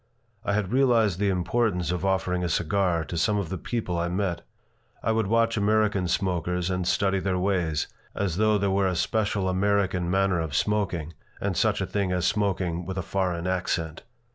I had realized the importance of offering a cigar to some of the people I met. I would watch American smokers and study their ways, as though there were a special American manner of smoking and such a thing as smoking with a foreign accent.